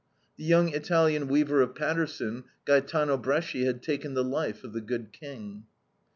The young Italian weaver of Paterson, Gaetano Bresci, had taken the life of the good King.